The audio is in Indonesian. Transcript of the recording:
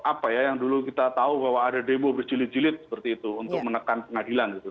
apa ya yang dulu kita tahu bahwa ada demo berjilid jilid seperti itu untuk menekan pengadilan gitu